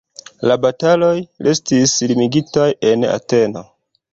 La bataloj restis limigitaj en Ateno.